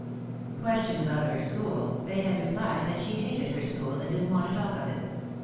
Questioned about her school, Fay had replied that she hated her school, and didn't want to talk of it.